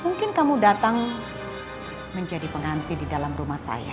mungkin kamu datang menjadi penganti di dalam rumah saya